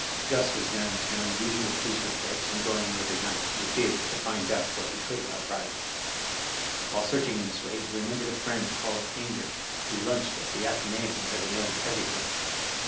Gus was in town now, reading the police reports and going every night to the theatre to find out what he conld about Riley. While he was searching in this way, he remembered a friend called Ainger, who lunched at the Athenaeum, where they know everything.